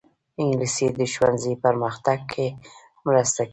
انګلیسي د ښوونځي پرمختګ کې مرسته کوي